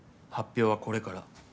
発表はこれから。